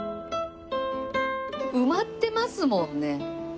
埋まってますもんね。